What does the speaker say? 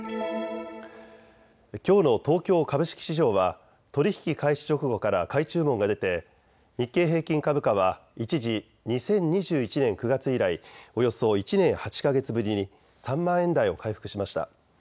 きょうの東京株式市場は取り引き開始直後から買い注文が出て日経平均株価は一時２０２１年９月以来およそ１年８か月ぶりに３万円台を回復しました。